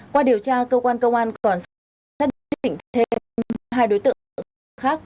qua điều tra cơ quan công an còn xác định thêm hai đối tượng khác